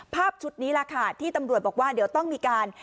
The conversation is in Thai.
ภาพชุดนี้แหละค่ะที่ตำรวจบอกว่าเดี๋ยวต้องมีการ